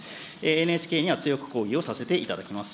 ＮＨＫには強く抗議をさせていただきます。